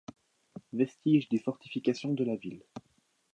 Vestige des fortifications de la ville.